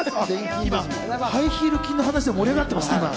ハイヒール筋の話で盛り上がってますね。